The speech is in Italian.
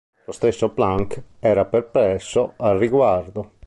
Lo stesso Planck era perplesso al riguardo.